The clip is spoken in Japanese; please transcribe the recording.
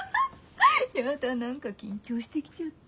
やだ何か緊張してきちゃった。